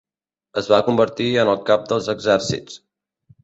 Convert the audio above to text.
Es va convertir en el cap dels exèrcits.